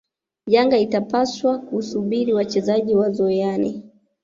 Yanga itapaswa kusubiri wachezaji wazoeane